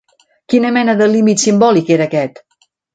Quina mena de límit simbòlic era aquest?